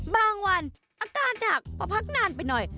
บางวันอาการหนักพอพักนานไปหน่อย